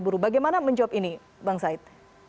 buruh bagaimana menjawab ini bang said